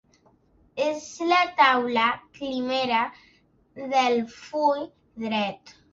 És la taula cimera del full dret.